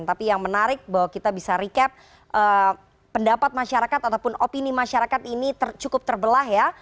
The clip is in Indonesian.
tapi yang menarik bahwa kita bisa recap pendapat masyarakat ataupun opini masyarakat ini cukup terbelah ya